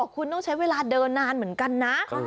คุณต้องใช้เวลาเดินนานเหมือนกันนะ